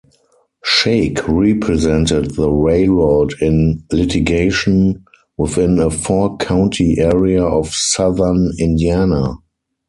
Shake represented the railroad in litigation within a four-county area of southern Indiana.